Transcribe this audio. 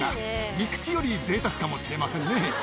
陸地よりぜいたくかもしれませんね。